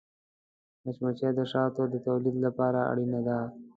مچمچۍ د شاتو د تولید لپاره اړینه ده